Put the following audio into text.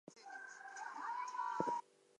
Sneads is home to Sneads High School.